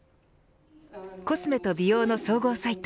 コスメと美容の総合サイト